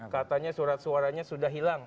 katanya surat suaranya sudah hilang